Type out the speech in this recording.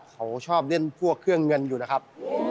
เขาชอบเล่นพวกเครื่องเงินอยู่นะครับ